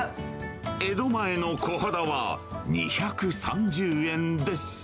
江戸前のコハダは２３０円です。